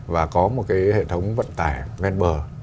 và có một hệ thống vận tải ven bờ